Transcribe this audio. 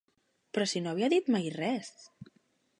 Però si no havia dit mai res!